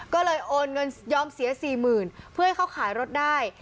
ก็เลยโอนเงินยอมเสียสี่หมื่นเพื่อให้เขาขายรถได้